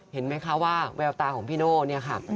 เห็นไหมคะว่าแววตาของพี่โน่เนี่ยค่ะ